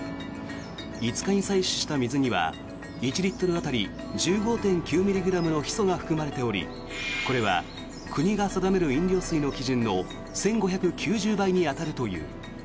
５日に採取した水には１リットル当たり１５．９ｍｇのヒ素が含まれておりこれは国が定める飲料水の基準の１５９０倍に当たるという。